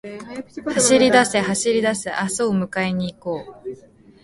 走りだせ、走りだせ、明日を迎えに行こう